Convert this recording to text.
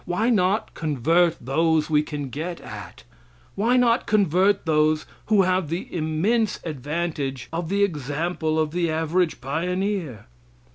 Why not convert those we can get at? Why not convert those who have the immense advantage of the example of the average pioneer?